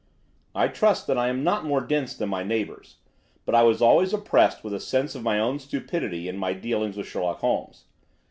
I trust that I am not more dense than my neighbours, but I was always oppressed with a sense of my own stupidity in my dealings with Sherlock Holmes.